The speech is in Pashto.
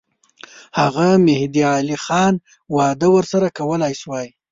هغه مهدي علي خان وعده ورسره کولای سوای.